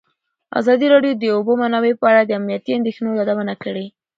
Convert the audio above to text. ازادي راډیو د د اوبو منابع په اړه د امنیتي اندېښنو یادونه کړې.